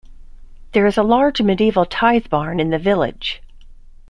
There is a large medieval tithe barn in the village.